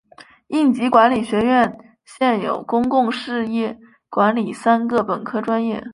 应急管理学院现有公共事业管理三个本科专业。